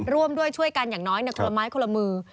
ร่วมด้วยช่วยกันอย่างน้อยคนละไม้คนละมือ